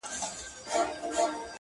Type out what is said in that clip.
زما په سترگو كي را رسم كړي,